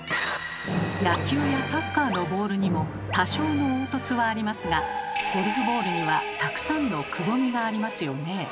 野球やサッカーのボールにも多少の凹凸はありますがゴルフボールにはたくさんのくぼみがありますよね。